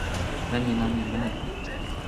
なになになに